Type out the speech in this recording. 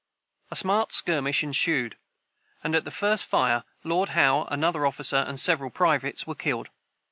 A smart skirmish ensued, and, at the first fire, Lord Howe, another officer, and several privates, were killed.